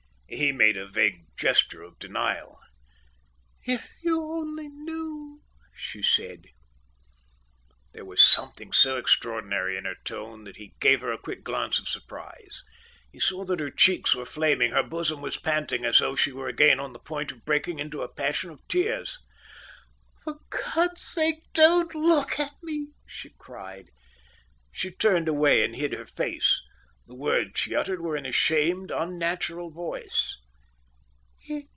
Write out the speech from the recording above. He made a vague gesture of denial. "If you only knew," she said. There was something so extraordinary in her tone that he gave her a quick glance of surprise. He saw that her cheeks were flaming. Her bosom was panting as though she were again on the point of breaking into a passion of tears. "For God's sake, don't look at me!" she cried. She turned away and hid her face. The words she uttered were in a shamed, unnatural voice.